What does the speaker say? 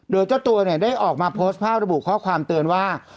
โดยเจ้าตัวเนี่ยได้ออกมาโพสต์ภาพระบุข้อความเตือนว่า